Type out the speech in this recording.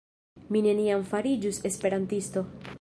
Mi neniam fariĝus Esperantisto